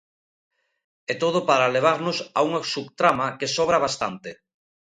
E todo para levarnos a unha subtrama que sobra bastante.